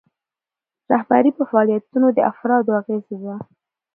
رهبري په فعالیتونو د افرادو اغیزه ده.